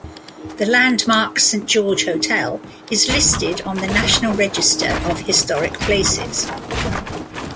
The landmark Saint George Hotel is listed on the National Register of Historic Places.